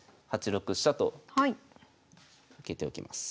８六飛車と受けておきます。